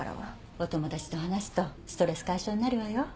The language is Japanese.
お友達と話すとストレス解消になるわよ。